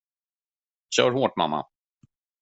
Kör hårt, mamma!